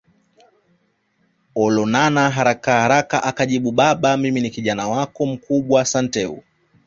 Olonana harakaharaka akajibu Baba mimi ni Kijana wako mkubwa Santeu